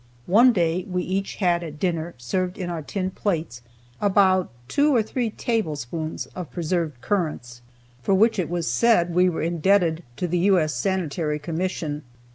One day we each had at dinner, served in our tin plates, about two or three tablespoonfuls of preserved currants, for which it was said we were indebted to the U.S. Sanitary Commission.